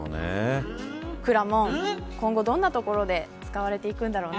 くらもん、今後どんなところで使われていくんだろうね。